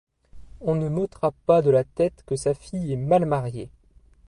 On ne m’ôtera pas de la tête que sa fille est mal mariée.